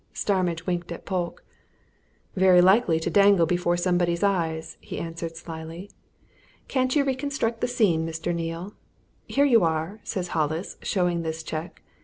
Starmidge winked at Polke. "Very likely to dangle before somebody's eyes," he answered slyly. "Can't you reconstruct the scene, Mr. Neale? 'Here you are!' says Hollis, showing this cheque.